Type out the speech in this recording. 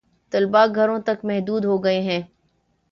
طلبا گھروں تک محدود ہو گئے ہیں